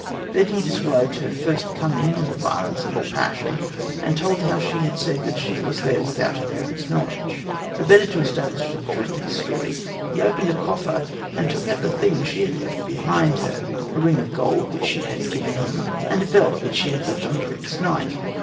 Then he described her first coming and the violence of her passion, and told how she had said that she was there without her parents' knowledge. The better to establish the truth of his story, he opened a coffer and took out the things she had left behind her a ring of gold which she had given him, and a belt which she had left on the previous night.